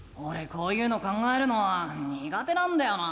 こういうの考えるのはにが手なんだよな。